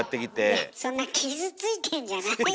いやそんな傷ついてんじゃないですよ